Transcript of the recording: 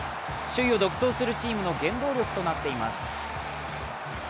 首位を独走するチームの原動力となっています。